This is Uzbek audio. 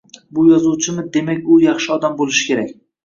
bu yozuvchimi, demak, u yaxshi odam bo‘lishi kerak.